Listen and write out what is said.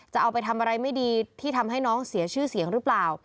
จะเอาไปทำอะไรไม่ดีที่ทำให้น้องเสียชื่อเสียงหรือเปล่า